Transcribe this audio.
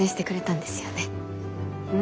ん？